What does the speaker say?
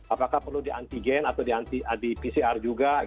apakah perlu diantigen atau di pcr juga